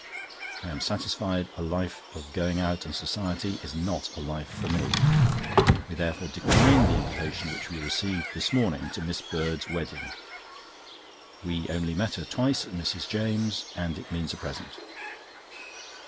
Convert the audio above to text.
I am satisfied a life of going out and Society is not a life for me; we therefore declined the invitation which we received this morning to Miss Bird's wedding. We only met her twice at Mrs. James', and it means a present.